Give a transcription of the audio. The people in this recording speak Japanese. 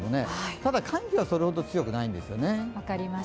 ただ、寒気はそれほど強くないんですね。